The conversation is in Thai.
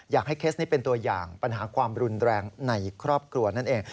เคสนี้เป็นตัวอย่างปัญหาความรุนแรงในครอบครัวนั่นเอง